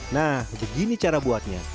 nah begini cara buatnya